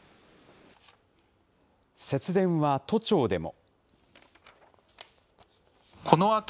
節電は都庁でも。